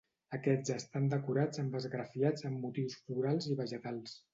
Aquests estan decorats amb esgrafiats amb motius florals i vegetals.